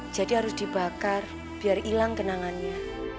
jadi harus dibakar biar hilang kenangannya